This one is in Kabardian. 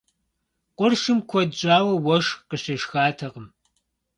Къуршым куэд щӏауэ уэшх къыщешхатэкъым.